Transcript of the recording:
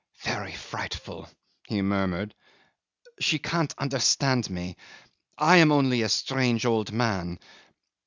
"Very frightful," he murmured. "She can't understand me. I am only a strange old man.